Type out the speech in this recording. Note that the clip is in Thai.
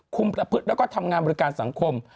ประพฤติแล้วก็ทำงานบริการสังคม